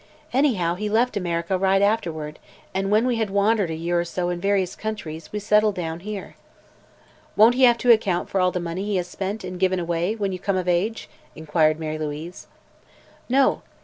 Anyhow, he left America right afterward, and when we had wandered a year or so in various countries we settled down here." "Won't he have to account for all the money he has spent and given away, when you come of age?" inquired Mary Louise. "No.